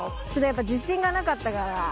やっぱ自信がなかったから。